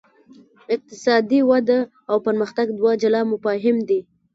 اقتصادي وده او پرمختګ دوه جلا مفاهیم دي.